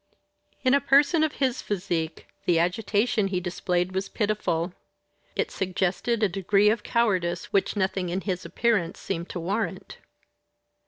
In a person of his physique the agitation he displayed was pitiful. It suggested a degree of cowardice which nothing in his appearance seemed to warrant.